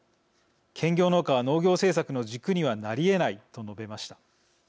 兼業農家は農業政策の軸にはなりえない」と述べました。